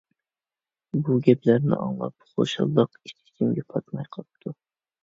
بۇ گەپلەرنى ئاڭلاپ، خۇشاللىقى ئىچ - ئىچىگە پاتماي قاپتۇ.